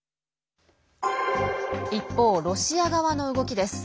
一方、ロシア側の動きです。